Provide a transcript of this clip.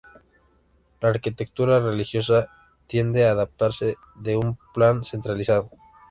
La arquitectura religiosa tiende a apartarse de un plan centralizado.